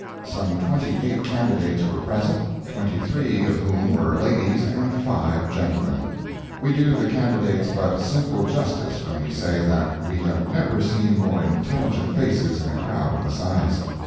Some twenty eight candidates were present—twenty three of whom were ladies and five gentlemen. We do the candidates but simple justice when we say that we have never seen more intelligent faces in a crowd of the size.